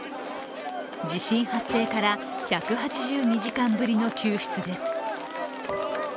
地震発生から１８２時間ぶりの救出です。